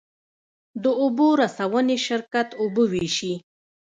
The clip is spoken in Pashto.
د اوبو رسونې شرکت اوبه ویشي